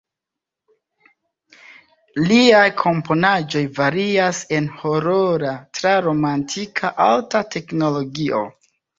Liaj komponaĵoj varias el horora, tra romantika, alta teknologio.